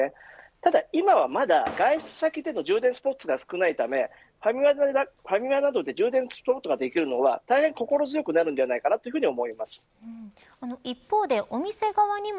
ただ今は外出先での充電スポットが少ないためファミマなどで充電することができるのは大変心強くなるのではないかと一方で、お店側にも